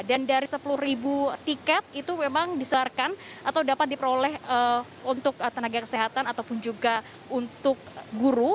dan dari sepuluh ribu tiket itu memang disarankan atau dapat diperoleh untuk tenaga kesehatan ataupun juga untuk guru